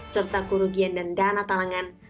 serta kerugian dan dana talangan